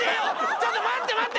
ちょっと待って待って！